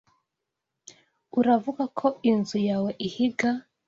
Uravuga ko inzu yawe ihiga?